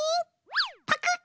パクッ！